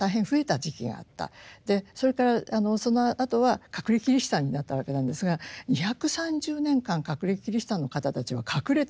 それからそのあとは隠れキリシタンになったわけなんですが２３０年間隠れキリシタンの方たちは隠れてたんですね。